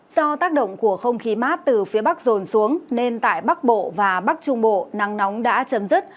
do tác động của không khí mát từ phía bắc rồn xuống nên tại bắc bộ và bắc trung bộ nắng nóng đã chấm dứt